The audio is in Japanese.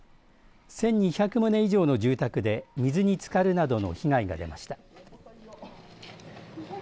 １２００棟以上の住宅で水に漬かるなどの被害が出ました。